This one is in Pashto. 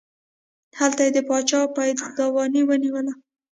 هلته یې د باچا پایدواني ونیوله.